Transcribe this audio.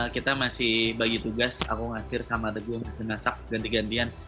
kita masih bagi tugas aku ngasir sama teguh masak ganti gantian